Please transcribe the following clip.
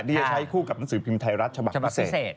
ที่จะใช้คู่กับหนังสือพิมพ์ไทยรัฐฉบับพิเศษ